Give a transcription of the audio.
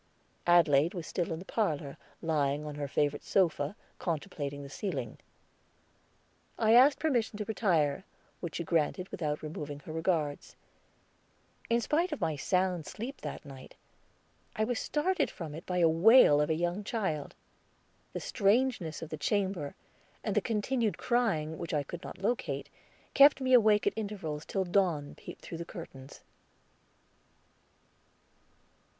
Adelaide was still in the parlor, lying on her favorite sofa contemplating the ceiling. I asked permission to retire, which she granted without removing her regards. In spite of my sound sleep that night, I was started from it by the wail of a young child. The strangeness of the chamber, and the continued crying, which I could not locate, kept me awake at intervals till dawn peeped through the curtains.